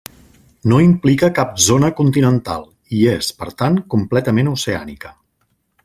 No implica cap zona continental i és, per tant, completament oceànica.